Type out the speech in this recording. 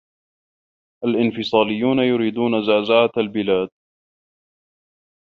الإنفصاليون يريدون زعزعة البلاد.